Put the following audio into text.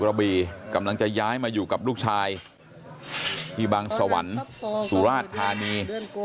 กระบีกำลังจะย้ายมาอยู่กับลูกชายที่บางสวรรค์สุราชธานี